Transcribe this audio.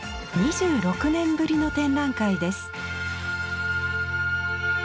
２６年ぶりの展覧会です。